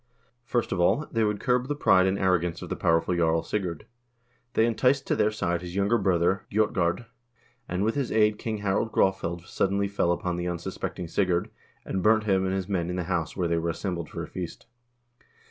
First of all they would curb the pride and arro gance of the powerful Jarl Sigurd. They enticed to their side his younger brother, Grjotgard, and with his aid King Harald Graafeld suddenly fell upon the unsuspecting Sigurd, and burned him and his men in the house where they were assembled for a feast.